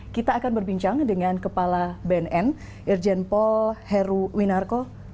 kita akan berbincang dengan kepala bnn irjen paul heru winarko